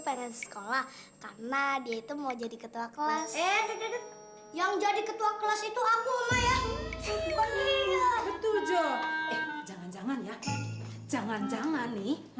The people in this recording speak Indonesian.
masuk sekolah karena dia itu mau jadi ketua kelas yang jadi ketua kelas itu aku ya jangan jangan nih